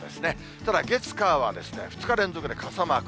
ただ、月、火は２日連続で傘マーク。